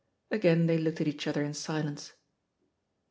Again they looked at each other in silence.